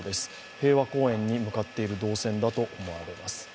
平和公園に向かっている動線だと思われます。